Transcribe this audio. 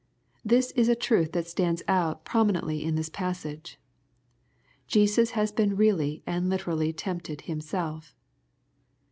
This is a truth that stands out prominently in this passage. Jesus has been really and literally tempted Himself.